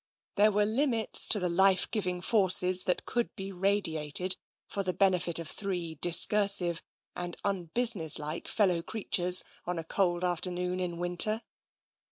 There were limits to the life giving forces that could be radiated for the 148 TENSION benefit of three discursive and unbusinesslike fellow creatures on a cold afternoon in winter.